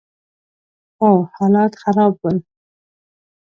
خو حالات خراب ول.